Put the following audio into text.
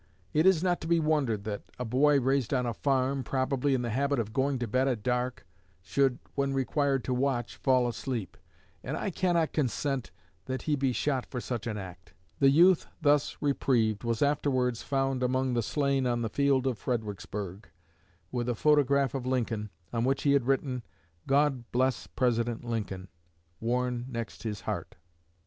It is not to be wondered at that a boy raised on a farm, probably in the habit of going to bed at dark, should, when required to watch, fall asleep; and I cannot consent that he be shot for such an act." The youth thus reprieved was afterwards found among the slain on the field of Fredericksburg, with a photograph of Lincoln, on which he had written, "God bless President Lincoln," worn next his heart. Rev.